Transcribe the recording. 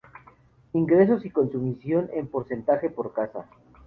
Ingresos y consumición en porcentaje por casa.